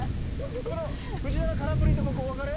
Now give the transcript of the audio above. この藤棚空振りで僕お別れ？